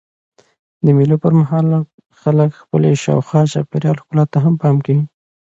د مېلو پر مهال خلک د خپلي شاوخوا چاپېریال ښکلا ته هم پام کوي.